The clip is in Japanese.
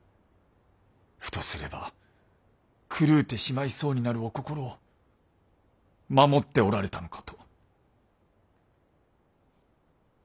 ふとすれば狂うてしまいそうになるお心を守っておられたのかと。